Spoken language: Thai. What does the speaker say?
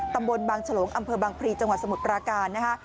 ตำบลบางฉลงอำเภอบางพลีจังหวัดสมุทรปราการนะคะ